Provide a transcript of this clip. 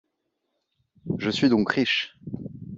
Je suis donc riche !…